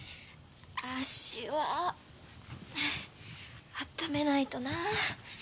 脚はあっためないとな。